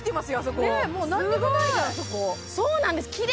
そこそうなんです！